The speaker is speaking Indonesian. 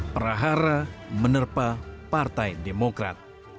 perahara menerpa partai demokrat